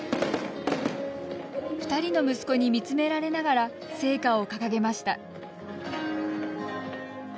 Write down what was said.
２人の息子に見つめられながら聖火を掲げました。